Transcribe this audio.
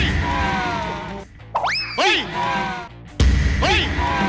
โอ้โฮเกินไก่